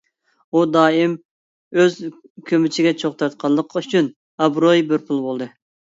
ئۇ دائىم ئۆز كۆمىچىگە چوغ تارتقانلىقى ئۈچۈن، ئابرۇيى بىر پۇل بولدى.